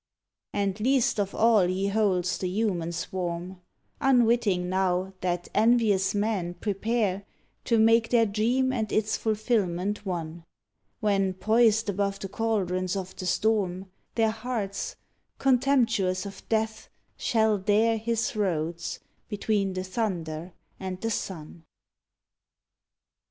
And least of all he holds the human swarm — Unwitting now that envious men prepare To make their dream and its fulfilment one, When, poised above the caldrons of the storm, Their hearts, contemptuous of death, shall dare His roads between the thunder and the sun.